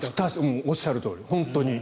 おっしゃるとおり本当に。